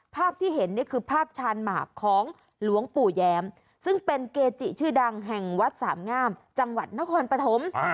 ภาพที่เห็นเนี่ยคือภาพชานหมากของหลวงปู่แย้มซึ่งเป็นเกจิชื่อดังแห่งวัดสามงามจังหวัดนครปฐม